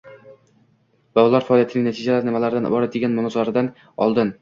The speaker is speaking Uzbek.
va ular faoliyatining natijalari nimalardan iborat degan munozaradan oldin